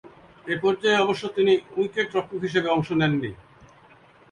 এ পর্যায়ে অবশ্য তিনি উইকেট-রক্ষক হিসেবে অংশ নেননি।